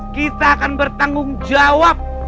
kita akan bertanggung jawab